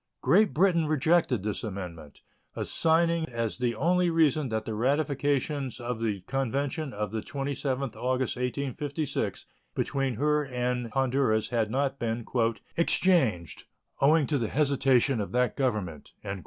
Great Britain rejected this amendment, assigning as the only reason that the ratifications of the convention of the 27th August, 1856, between her and Honduras had not been "exchanged, owing to the hesitation of that Government."